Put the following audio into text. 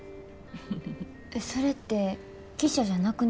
それって記者じゃなくなるってことですか？